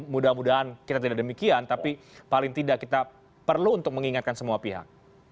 mudah mudahan kita tidak demikian tapi paling tidak kita perlu untuk mengingatkan semua pihak